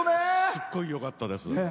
すっごいよかったです。